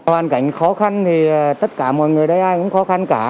bên cạnh khó khăn thì tất cả mọi người đây ai cũng khó khăn cả